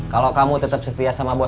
bukan kamu kelihatan berani lah